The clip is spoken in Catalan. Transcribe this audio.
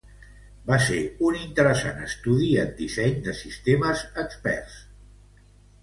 Va ser un interessant estudi en disseny de sistemes experts.